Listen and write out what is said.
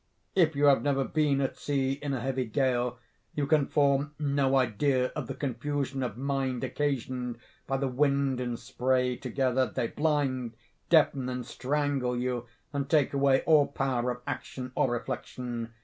If you have never been at sea in a heavy gale, you can form no idea of the confusion of mind occasioned by the wind and spray together. They blind, deafen, and strangle you, and take away all power of action or reflection.